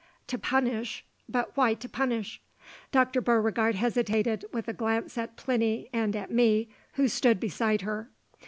"To punish? But why to punish?" Dr. Beauregard hesitated, with a glance at Plinny and at me, who stood beside her.